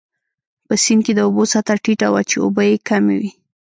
په سیند کې د اوبو سطحه ټیټه وه، چې اوبه يې کمې وې.